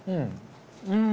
うん！